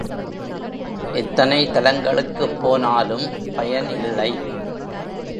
எத்தனை தலங்களுக்குப் போனாலும் பயன் இல்லை.